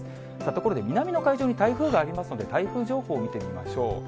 ところで、南の海上に台風がありますので、台風情報を見てみましょう。